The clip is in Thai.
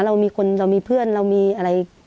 เรามีคนเรามีเพื่อนเรามีอะไร